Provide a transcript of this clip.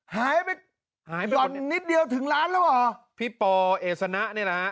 ฮะหายไปหล่อนนิดเดียวถึงล้านแล้วเหรอพี่ปอร์เอศนะเนี้ยแหละ